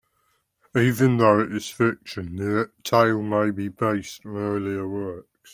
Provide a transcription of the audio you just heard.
Even though it is a fiction, the tale may be based on earlier works.